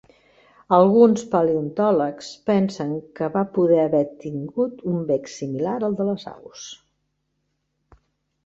Alguns paleontòlegs pensen que va poder haver tingut un bec similar al de les aus.